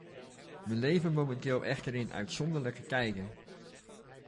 We leven momenteel echter in uitzonderlijke tijden.